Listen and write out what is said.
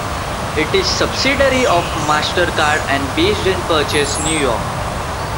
It is a subsidiary of MasterCard and based in Purchase, New York.